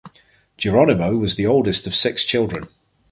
Jeronimo was the oldest of six children.